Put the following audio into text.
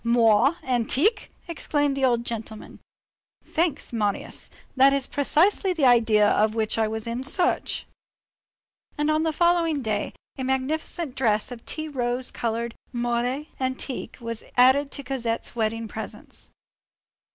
"Moire antique!" exclaimed the old gentleman. "Thanks, Marius. That is precisely the idea of which I was in search." And on the following day, a magnificent dress of tea rose colored moire antique was added to Cosette's wedding presents.